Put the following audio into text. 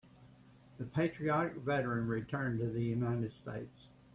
The patriotic veteran returned to the United States.